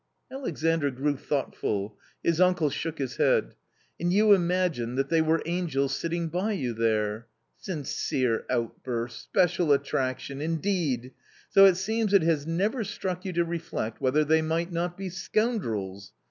Alexandr grew thoughtful, his uncle shook his head. " And you imagined that they were angels sitting by you there 1 Sincere outbursts, special attraction, indeed ! So it seems it has never struck you to reflect whether they might not be scoundrels